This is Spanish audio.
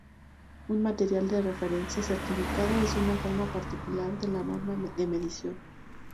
Un material de referencia certificado es una forma particular de la norma de medición.